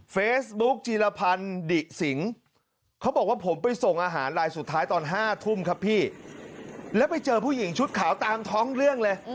เฟซบุ๊กจีรพันธ์ดิสิงเขาบอกว่าผมไปส่งอาหารลายสุดท้ายตอน๕ทุ่มครับพี่แล้วไปเจอผู้หญิงชุดขาวตามท้องเรื่องเลย